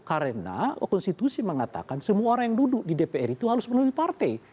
karena konstitusi mengatakan semua orang yang duduk di dpr itu harus melalui partai